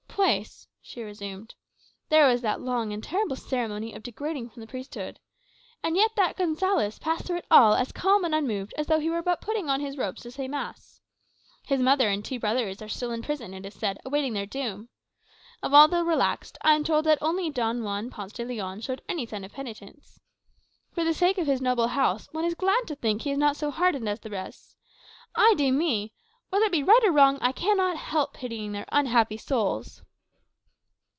Pues," she resumed, "there was that long and terrible ceremony of degrading from the priesthood. And yet that Gonsalez passed through it all as calm and unmoved as though he were but putting on his robes to say mass. His mother and his two brothers are still in prison, it is said, awaiting their doom. Of all the relaxed, I am told that only Don Juan Ponce de Leon showed any sign of penitence. For the sake of his noble house, one is glad to think he is not so hardened as the rest. Ay de mi! Whether it be right or wrong, I cannot help pitying their unhappy souls."